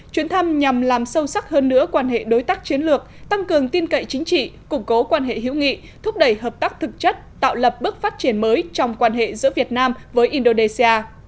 chuyến thăm nhằm làm sâu sắc hơn nữa quan hệ đối tác chiến lược tăng cường tin cậy chính trị củng cố quan hệ hữu nghị thúc đẩy hợp tác thực chất tạo lập bước phát triển mới trong quan hệ giữa việt nam với indonesia